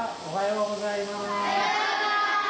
おはようございます。